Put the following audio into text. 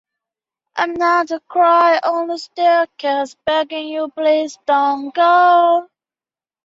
近世以来因受到德川家的庇佑而兴隆起来。